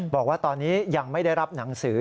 บอกว่าตอนนี้ยังไม่ได้รับหนังสือ